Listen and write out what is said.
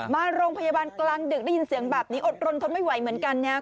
มาโรงพยาบาลกลางดึกได้ยินเสียงแบบนี้อดรนทนไม่ไหวเหมือนกันนะครับ